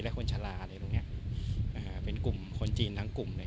และคนชะลาอะไรตรงเนี้ยอ่าเป็นกลุ่มคนจีนทั้งกลุ่มเลย